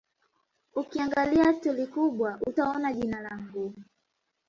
Ukiangalia stori kubwa utaona jina langu